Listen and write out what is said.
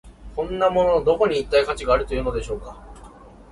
こんなもののどこに、一体価値があるというのでしょうか。